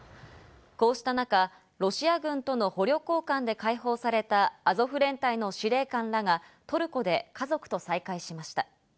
こうした中、ロシア軍との捕虜交換で解放されたアゾフ連隊の司令官らが、トルコで家族と再会しました。